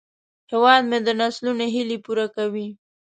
هیواد مې د نسلونو هیلې پوره کوي